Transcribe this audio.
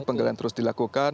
penggalian terus dilakukan